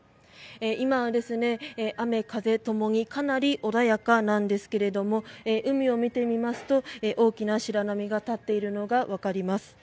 今は雨風ともにかなり穏やかなんですけれども海を見てみますと大きな白波が立っているのがわかります。